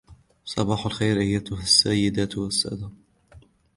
صباح الخير, أيها السيدات والسادة!